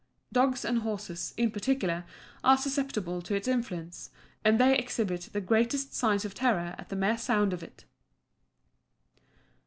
Dogs and horses, in particular, are susceptible to its influence, and they exhibit the greatest signs of terror at the mere sound of it.